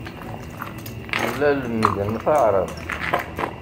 La lemmden taɛṛabt.